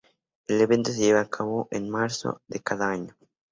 El evento se lleva a cabo en marzo de cada año.